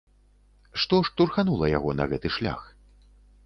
Што штурханула яго на гэты шлях?